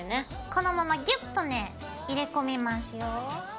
このままギュッとね入れ込みますよ。